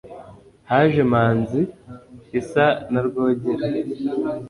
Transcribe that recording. Haje Manzi isa na Rwogera